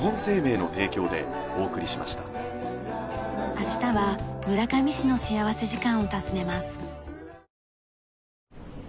明日は村上市の幸福時間を訪ねます。